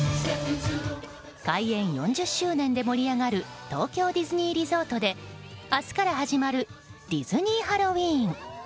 開園４０周年で盛り上がる東京ディズニーリゾートで明日から始まるディズニー・ハロウィーン。